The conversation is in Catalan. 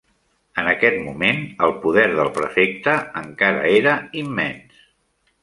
En aquest moment, el poder del prefecte encara era immens.